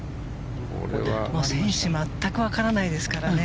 選手全くわからないですからね。